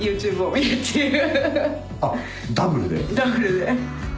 あっダブルで？